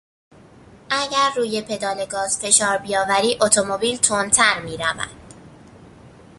اگر روی پدال گاز فشار بیاوری اتومبیل تندتر میرود.